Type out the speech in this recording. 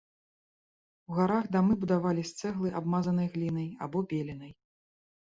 У гарах дамы будавалі з цэглы, абмазанай глінай або беленай.